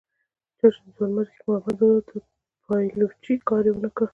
چا چې د ځوانمردۍ مقاومت نه درلود د پایلوچۍ کار یې نه و.